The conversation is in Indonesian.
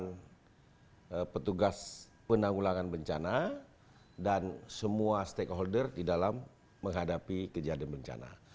dengan petugas penanggulangan bencana dan semua stakeholder di dalam menghadapi kejadian bencana